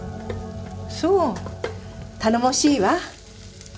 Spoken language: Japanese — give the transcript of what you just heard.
そう頼もしいわ。